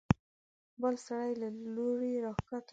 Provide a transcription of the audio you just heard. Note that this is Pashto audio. بل سړی له لوړې راکښته شو.